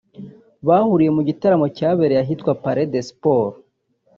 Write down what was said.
bahuriye mu gitaramo cyabereye ahitwa « Palais des Sports »